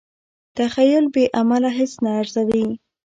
تخیل بې عمله هیڅ نه ارزوي.